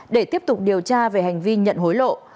để tiếp tục điều tra về hành vi nhận hối lộ